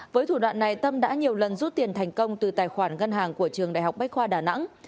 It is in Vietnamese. với thủ đoạn này tâm đã nhiều lần rút tiền thành công từ tài khoản ngân hàng của trường đại học bách khoa đà nẵng